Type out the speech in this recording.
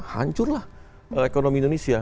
hancurlah ekonomi indonesia